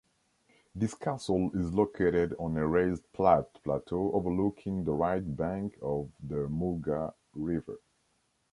This castle is located on a raised plateau overlooking the right bank of the Muga River.